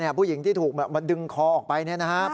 นี่ผู้หญิงที่ถูกมาดึงคอออกไปนะครับ